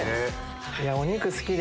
お肉好きで。